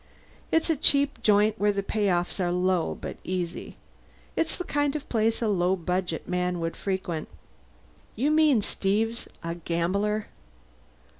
It's a cheap joint where the payoffs are low but easy. It's the kind of place a low budget man would frequent." "You mean Steve's a gambler?"